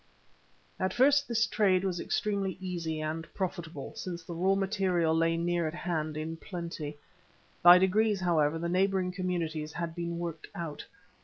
At first this trade was extremely easy and profitable, since the raw material lay near at hand in plenty. By degrees, however, the neighbouring communities had been worked out.